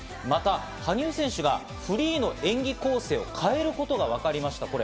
また、羽生選手がフリーの演技構成を変えることがわかりました。